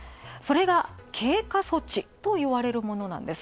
それが経過措置といわれるもの。